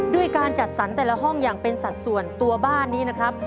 ด้วยการจัดสรรแต่ละห้องอย่างเป็นสัดส่วนตัวบ้านนี้นะครับ